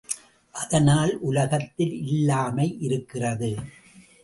அதனால் உலகத்தில் இல்லாமை இருக்கிறது.